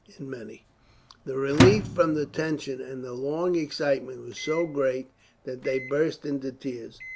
In many, the relief from the tension and the long excitement was so great that they burst into tears.